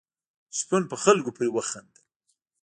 شپون په خلکو پورې وخندل.